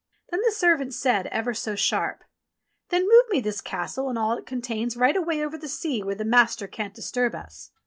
Then the servant said ever so sharp, "Then move me this Castle and all it contains right away over the sea where the master can't disturb us."